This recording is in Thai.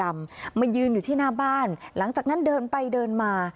มายืนอยู่ที่หน้าบ้านหลังจากนั้นเดินไปเดินมา